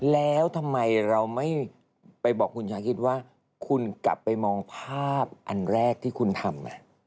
แล้วทำไมเราไม่ไปบอกคุณชาคิดว่าคุณกลับไปมองภาพอันแรกที่คุณทำ